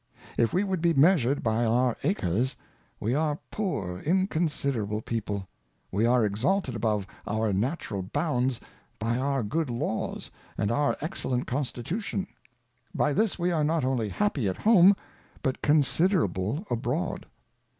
If we would be measured by our Acres, we are poor inconsiderable People ; we are exalted above our natural Bounds, by our good Laws, and our excellent Constitu tion. By this we are not only happy at Home, but considerable Abroad.